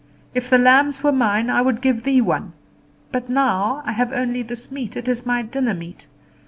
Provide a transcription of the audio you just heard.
If the lambs were mine, I would give Thee one; but now I have only this meat; it is my dinner meat.